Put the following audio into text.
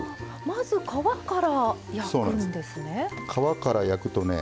まず皮から焼くんですね。